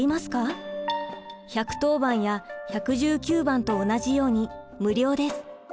１１０番や１１９番と同じように無料です。